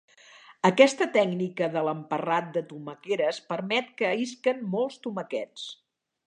Aquesta tècnica de l'emparrat de tomaqueres permet que isquen molts tomàquets.